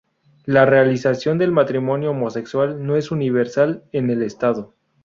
La realización del matrimonio homosexual no es universal en el estado.